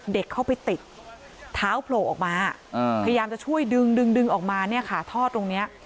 เด็กเข้าไปติดเท้าโผล่ออกมาพยายามจะช่วยดึงดึงออกมาเนี่ยค่ะท่อตรงนี้